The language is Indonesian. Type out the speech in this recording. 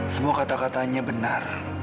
semua kata katanya benar